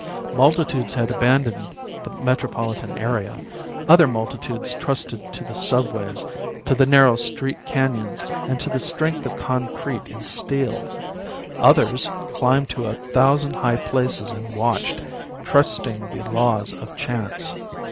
Multitudes had abandoned the metropolitan area. Other multitudes trusted to the subways, to the narrow street canyons and to the strength of concrete and steel. Others climbed to a thousand high places and watched, trusting the laws of chance.